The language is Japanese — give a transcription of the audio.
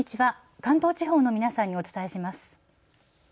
関東地方の皆さんにお伝えします。